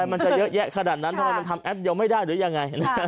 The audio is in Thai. มันจะเยอะแยะขนาดนั้นทำไมมันทำแป๊บเดียวไม่ได้หรือยังไง